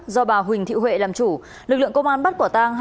do bà huỳnh thị huệ làm chủ lực lượng công an bắt quả tang